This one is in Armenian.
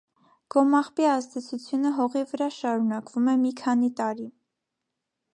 Գոմաղբի ազդեցությունը հողի վրա շարունակվում է մի քանի տարի։